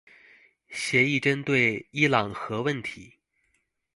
协议针对伊朗核问题。